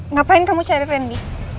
ngapain kamu cari randy